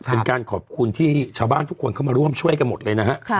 เป็นการขอบคุณที่ชาวบ้านทุกคนเข้ามาร่วมช่วยกันหมดเลยนะฮะ